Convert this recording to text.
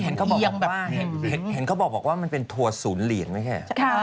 นี่เห็นเขาบอกว่ามันเป็นทัวร์ศูนย์เหรียญมั้ยแค่